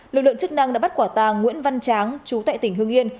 lực lượng chức năng đã bắt quả tàng nguyễn văn tráng chú tại tỉnh hương yên